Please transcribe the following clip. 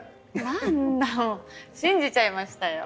何だ信じちゃいましたよ。